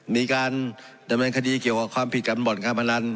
มีการดำเนินคดีเกี่ยวกับความผิดการบ่อนการพนัน